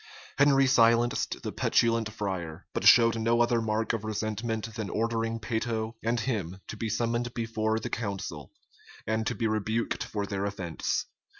Henry silenced the petulant friar; but showed no other mark of resentment than ordering Peyto and him to be summoned before the council, and to be rebuked for their offence.